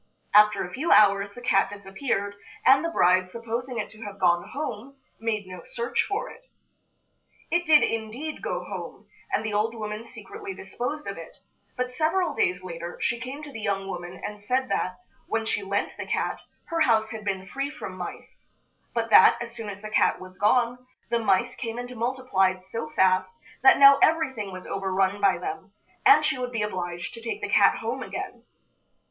After a few hours the cat disappeared, and the bride, supposing it to have gone home, made no search for it. It did, indeed, go home, and the old woman secretly disposed of it; but several days later she came to the young woman and said that, when she lent the cat, her house had been free from mice, but that, as soon as the cat was gone, the mice came and multiplied so fast that now everything was overrun by them, and she would be obliged to take the cat home again.